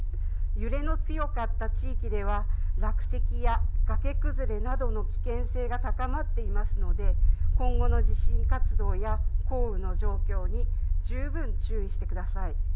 揺れの強かった地域では落石や崖崩れなどの危険性が高まっていますので、今後の地震活動や降雨の状況に十分注意してください。